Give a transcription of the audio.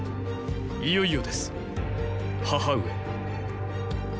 いよいよです母上。